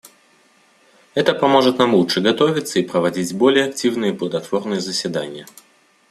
Это поможет нам лучше готовиться и проводить более активные и плодотворные заседания.